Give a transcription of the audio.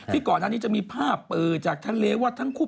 ที่ก่อนานนี้จะมีภาพอือจากทานเลไว้ทั้งคู่